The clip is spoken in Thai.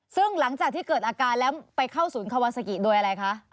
ซึ่งหลังจากที่เกิดอาการแล้วไปเข้าศูนย์คาวาซากิโดยอะไรคะ